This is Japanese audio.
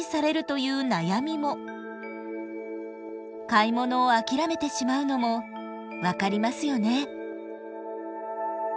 買い物を諦めてしまうのも分かりますよね。